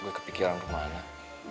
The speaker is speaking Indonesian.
gue kepikiran rumah anak